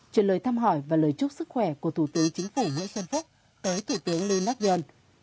truyền lời thăm hỏi và lời chúc sức khỏe của thủ tướng chính phủ nguyễn xuân phúc tới thủ tướng lee nak yong